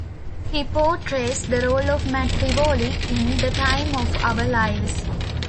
He portrays the role of Matt Tivolli in "The Time of Our Lives".